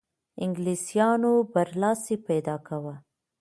انګلیسیانو برلاسی پیدا کاوه.